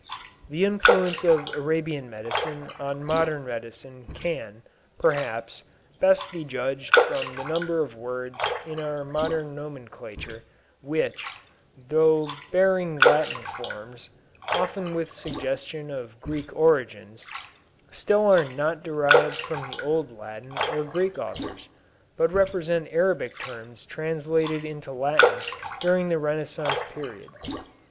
The influence of Arabian medicine on modern medicine can, perhaps, best be judged from the number of words in our modern nomenclature, which, though bearing Latin forms, often with suggestion of Greek origins, still are not derived from the old Latin or Greek authors, but represent Arabic terms translated into Latin during the Renaissance period.